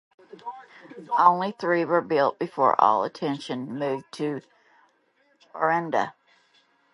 Only three were built before all attention moved to the Orenda.